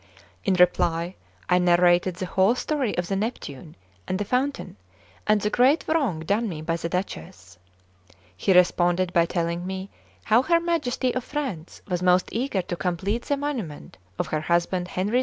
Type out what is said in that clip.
In reply, I narrated the whole story of the Neptune and the fountain, and the great wrong done me by the Duchess. He responded by telling me how her Majesty of France was most eager to complete the monument of her husband Henri II.